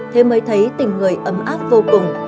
thế mới thấy tình người ấm áp vô cùng